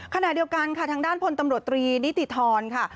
ขณะเดียวกันค่ะทางด้านพลตำรวจตรีนิติธรค่ะ